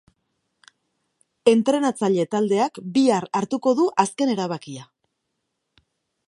Entrenatzaile taldeak bihar hartuko du azken erabakia.